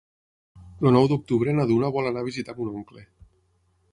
El nou d'octubre na Duna vol anar a visitar mon oncle.